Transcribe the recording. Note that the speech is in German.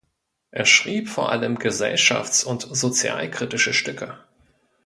Er schrieb vor allem gesellschafts- und sozialkritische Stücke.